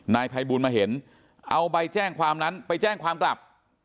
นายภัยบูลมาเห็นเอาใบแจ้งความนั้นไปแจ้งความกลับ